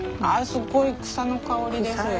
あすごい草の香りです。